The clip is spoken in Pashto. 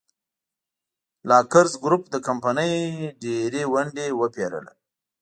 لاکزر ګروپ د کمپنۍ ډېرې ونډې وپېرله.